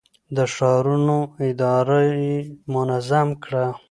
د ښارونو اداره يې منظم کړه.